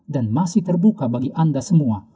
dan masih terbuka bagi anda semua